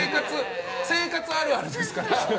生活あるあるですから。